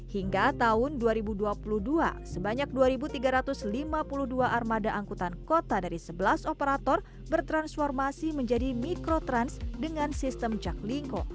hingga tahun dua ribu dua puluh dua sebanyak dua tiga ratus lima puluh dua armada angkutan kota dari sebelas operator bertransformasi menjadi mikrotrans dengan sistem jaklingko